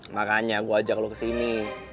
makanya gue ajak lo kesini